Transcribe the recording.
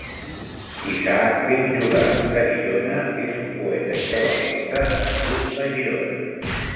Isaac ben Judà de Girona és un poeta i cabalista nascut a Girona.